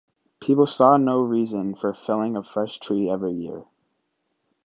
People saw no reason for felling a fresh tree every year.